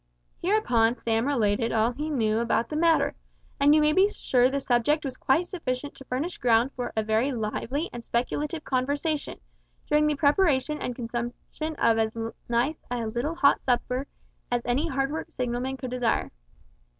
Hereupon Sam related all he knew about the matter, and you may be sure the subject was quite sufficient to furnish ground for a very lively and speculative conversation, during the preparation and consumption of as nice a little hot supper, as any hard worked signalman could desire.